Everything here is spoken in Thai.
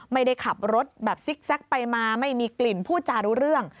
ไม่ได้ขับรถแบบซิกแก๊กไปมาไม่มีกลิ่นพูดจารู้เรื่อง